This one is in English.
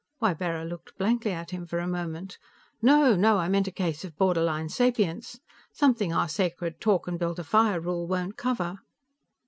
Ybarra looked blankly at him for a moment. "No. No, I meant a case of borderline sapience; something our sacred talk and build a fire rule won't cover.